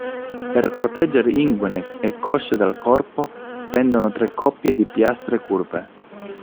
Per proteggere inguine e cosce dal corpo pendono tre coppie di piastre curve.